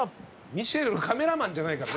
ミッシェルはカメラマンじゃないから。